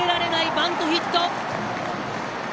バントヒット！